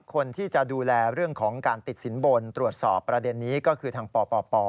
คนที่จะดูแลเรื่องของการติดสินบนตรวจสอบประเด็นนี้ก็คือทางปป